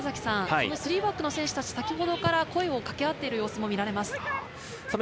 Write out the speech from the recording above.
３バックの選手達、先ほどから声を掛け合っているように見えます。